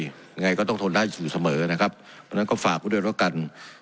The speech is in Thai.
ยังไงก็ต้องทนได้อยู่เสมอนะครับดังนั้นก็ฝากกันด้วยแล้วกัน